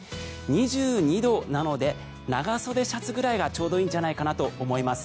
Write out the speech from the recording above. ２２度なので長袖シャツくらいがちょうどいいんじゃないかなと思います。